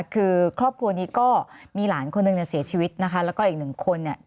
คือครอบครัวนี้ก็มีหลานคนหนึ่งเนี่ยเสียชีวิตนะคะแล้วก็อีกหนึ่งคนเนี่ย